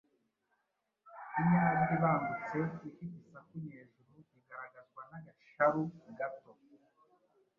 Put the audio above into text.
inyajwi ibangutse ifite isaku nyejuru igaragazwa n’agasharu gato